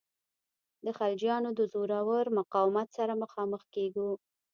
د خلجیانو د زورور مقاومت سره مخامخ کیږو.